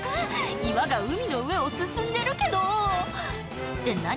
岩が海の上を進んでるけどって何？